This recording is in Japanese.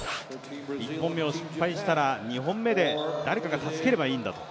１本目を失敗したら、２本目で誰かが助ければいいんだと。